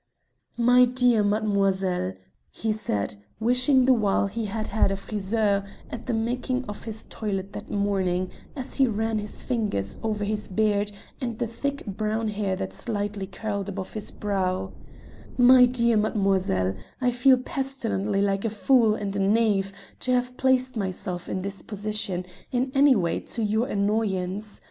"My dear mademoiselle," he said, wishing the while he had had a friseur at the making of his toilet that morning, as he ran his fingers over his beard and the thick brown hair that slightly curled above his brow, "my dear mademoiselle, I feel pestilently like a fool and a knave to have placed myself in this position in any way to your annoyance.